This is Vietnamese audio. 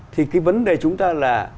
thì cái vấn đề chúng ta là